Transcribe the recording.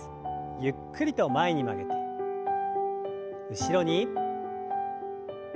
ゆっくりと前に曲げて後ろに。